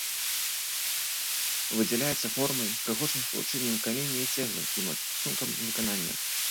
Выдзяляецца формай, прыгожым спалучэннем каменя і цэглы і мацункам выканання.